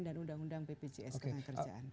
dan undang undang bpjs ketenggakerjaan